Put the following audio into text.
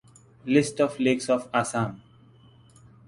List of lakes of Assam